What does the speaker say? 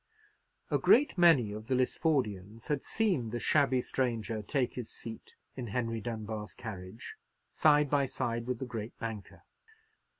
A great many of the Lisfordians had seen the shabby stranger take his seat in Henry Dunbar's carriage, side by side with the great banker.